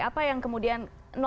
apa yang kemudian satu